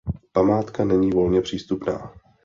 Památka není volně přístupná.